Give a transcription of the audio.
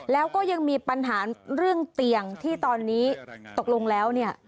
แล้วก็ยังมีปัญหาเรื่องเตียงที่ตอนนี้ตกลงแล้วเนี่ย